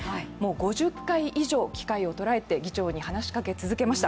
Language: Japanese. ５０回以上、機会をとらえて議長に話しかけてきました。